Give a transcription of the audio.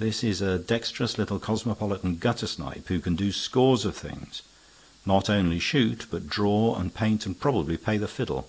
This is a dexterous little cosmopolitan guttersnipe who can do scores of things, not only shoot, but draw and paint, and probably play the fiddle.